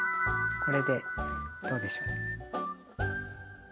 これでどうでしょう。